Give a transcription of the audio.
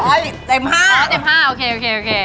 อ๋อเต็ม๕อ๋อเต็ม๕โอเค